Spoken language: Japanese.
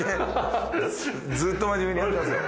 ずっと真面目にやってますよ。